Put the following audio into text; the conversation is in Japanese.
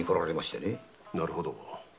なるほど。